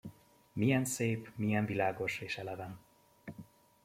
Milyen szép, milyen világos és eleven!